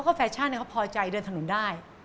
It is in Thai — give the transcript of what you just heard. ก็แฟชั่นเขาพอใจเดินถนนได้